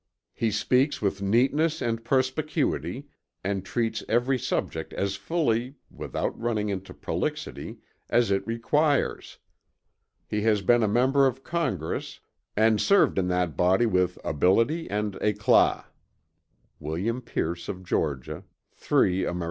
He speaks with neatness and perspicuity, and treats every subject as fully, without running into prolixity, as it requires. He has been a member of Congress, and served in that Body with ability and eclat." (William Pierce of Georgia; 3 Amer.